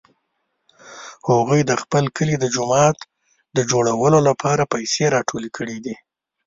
هغوی د خپل کلي د جومات د جوړولو لپاره پیسې راټولې کړې دي